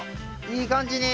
いい感じに。